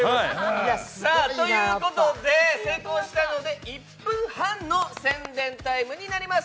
成功したので１分半の宣伝タイムになります。